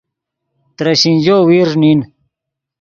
ترے شینجو ویرݱ نین